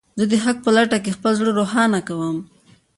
زه د حق په لټه کې خپل زړه روښانه کوم.